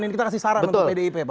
ini kita kasih saran untuk pdip pak